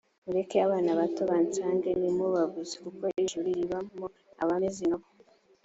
mureke abana bato bansange ntimubabuze kuko ijuru ririmoabameze nka bo